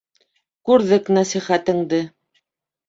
— Күрҙек нәсихәтеңде.